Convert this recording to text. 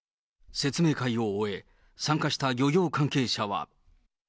説明会を終え、参加した漁業関係者は。